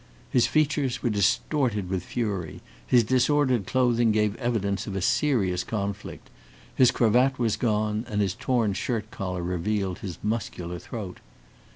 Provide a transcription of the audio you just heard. His features were distorted with fury, his disordered clothing gave evidence of a serious conflict. His cravat was gone, and his torn shirt collar revealed his muscular throat.